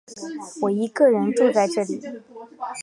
我一个人住在这